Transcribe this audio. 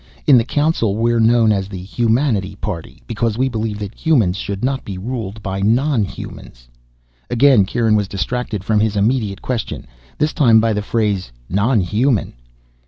In the Council, we're known as the Humanity Party, because we believe that humans should not be ruled by non humans." Again, Kieran was distracted from his immediate question this time by the phrase "Non human".